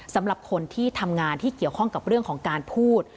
สำหรับคนที่ทำงานที่เกี่ยวข้องกับเรื่องของการพูด